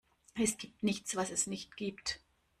Es gibt nichts, was es nicht gibt.